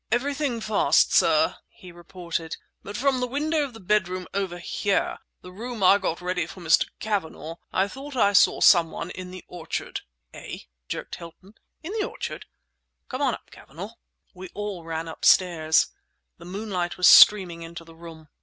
"Everything fast, sir," he reported; "but from the window of the bedroom over here—the room I got ready for Mr. Cavanagh—I thought I saw someone in the orchard." "Eh?" jerked Hilton—"in the orchard? Come on up, Cavanagh!" We all ran upstairs. The moonlight was streaming into the room.